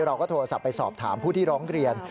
เราก็โทรศัพท์ไปสอบถามผู้ที่ร้องเรียน